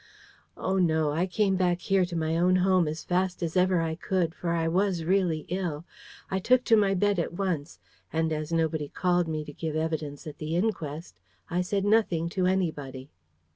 Oh no: I came back here to my own home as fast as ever I could; for I was really ill. I took to my bed at once. And as nobody called me to give evidence at the inquest, I said nothing to anybody."